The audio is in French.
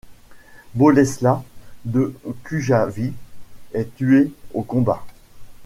Boleslas de Cujavie est tué au combat.